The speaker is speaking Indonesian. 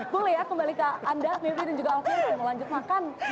boleh ya kembali ke anda mevry dan juga alvin mau lanjut makan